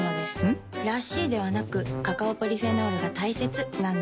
ん？らしいではなくカカオポリフェノールが大切なんです。